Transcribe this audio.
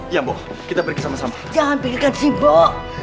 jangan diam baik baik